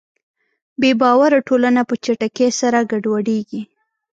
بېباوره ټولنه په چټکۍ سره ګډوډېږي.